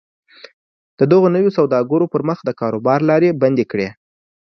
د دغو نویو سوداګرو پر مخ د کاروبار لارې بندې کړي